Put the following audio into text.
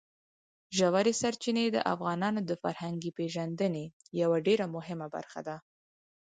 ژورې سرچینې د افغانانو د فرهنګي پیژندنې یوه ډېره مهمه برخه ده.